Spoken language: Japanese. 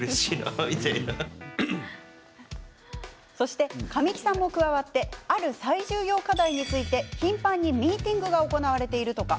そして、神木さんも加わってある最重要課題について、頻繁にミーティングが行われているとか。